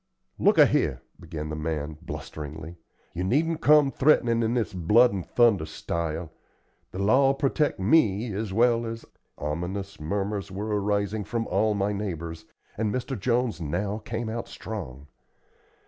"Look a here," began the man, blusteringly, "you needn't come threatenin' in this blood and thunder style. The law'll protect me as well as " Ominous murmurs were arising from all my neighbors, and Mr. Jones now came out strong.